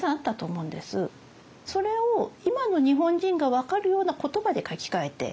それを今の日本人が分かるような言葉で書き換えて。